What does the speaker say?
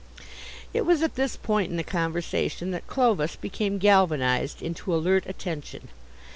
It was at this point in the conversation that Clovis became galvanized into alert attention.